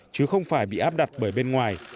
chứ không phải bị áp đặt bởi bên ngoài